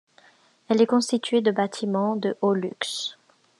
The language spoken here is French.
Elle est constituée de bâtiments de haut luxe.